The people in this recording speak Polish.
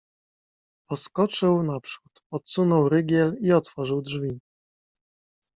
"Poskoczył naprzód, odsunął rygiel i otworzył drzwi."